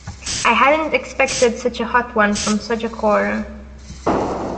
I hadn't expected such a hot one from such a quarter.